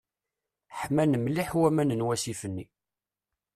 Ḥman mliḥ waman n wasif-nni.